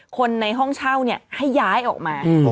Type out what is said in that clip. คนในห้องเช่าให้ย้ายออกมา